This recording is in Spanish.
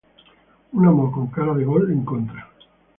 Un amor con cara de gol en contra.